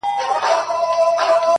سپېرې شونډی وږې ګېډه فکر وړی.!